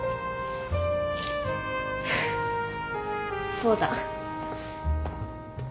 そうだ。